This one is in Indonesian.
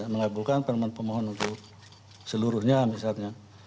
mengabulkan permohonan pemohon untuk seluruhnya misalnya